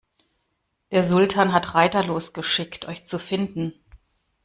Der Sultan hat Reiter losgeschickt, euch zu finden.